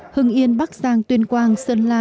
hưng yên bắc giang tuyên quang sơn lô